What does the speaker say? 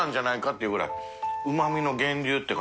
っていうぐらい。